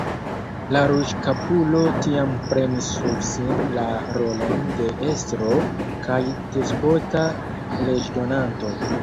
La ruĝkapulo tiam prenis sur sin la rolon de estro kaj despota leĝdonanto.